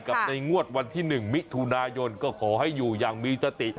ในงวดวันที่๑มิถุนายนก็ขอให้อยู่อย่างมีสติ